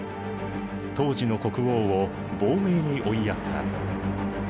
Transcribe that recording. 当時の国王を亡命に追いやった。